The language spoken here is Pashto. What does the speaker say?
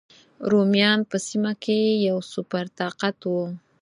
رومیان په سیمه کې یو سوپر طاقت و.